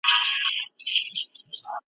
پر کوثرونو به سردار نبي پیالې ورکوي .